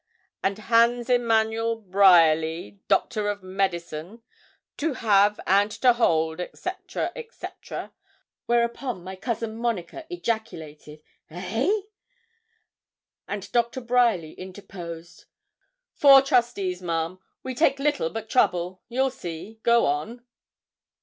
and Hans Emmanuel Bryerly, Doctor of Medicine, 'to have and to hold,' &c. &c. Whereupon my Cousin Monica ejaculated 'Eh?' and Doctor Bryerly interposed 'Four trustees, ma'am. We take little but trouble you'll see; go on.'